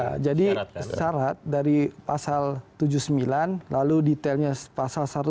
udah jadi syarat dari pasal tujuh puluh sembilan lalu detailnya pasal satu ratus sembilan puluh sembilan sampai dua ratus sembilan ratus sembilan belas ya